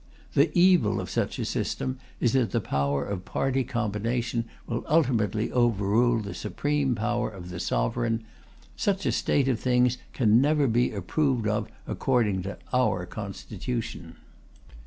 The evil of such a system is that the power of party combination will ultimately overrule the supreme power of the Sovereign. Such a state of things can never be approved of according to our Constitution."